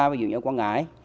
ví dụ như quảng ngãi